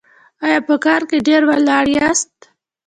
ایا په کار کې ډیر ولاړ یاست؟